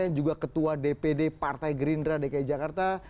yang juga ketua dpd partai gerindra dki jakarta